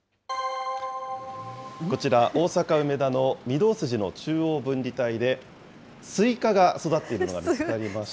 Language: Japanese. こちら、大阪・梅田の御堂筋の中央分離帯で、スイカが育っているのが見つかりました。